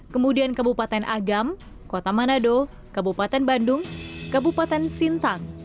kemudian kabupaten agam kota manado kabupaten bandung kabupaten sintang